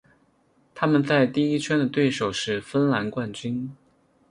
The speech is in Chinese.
他们在第一圈的对手是芬兰冠军。